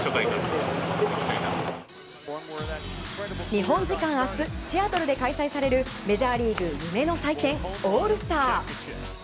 日本時間明日シアトルで開催されるメジャーリーグ夢の祭典オールスター。